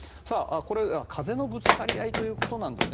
これ、風のぶつかり合いということなんですね